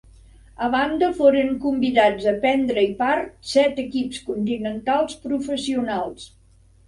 A banda foren convidats a prendre-hi part set equips continentals professionals.